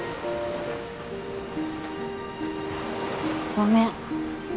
ごめん。